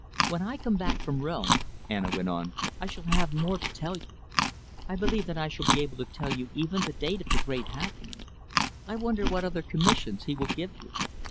"When I come back from Rome," Anna went on, "I shall have more to tell you. I believe that I shall be able to tell you even the date of the great happening. I wonder what other commissions he will give you.